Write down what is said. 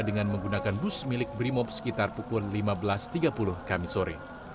dengan menggunakan bus milik brimob sekitar pukul lima belas tiga puluh kami sore